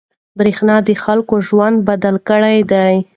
برېښنا د خلکو ژوند بدل کړی دی.